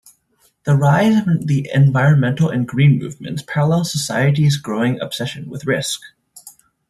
The rise of the environmental and green movements parallels society's growing obsession with risk.